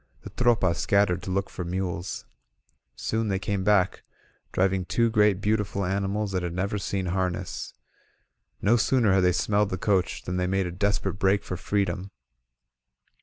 The Tropa scattered to look for mules. Soon they came back, driving two great beautiful animals that had never seen harness. No sooner had they smelled the coach than they made a desperate break for freedom.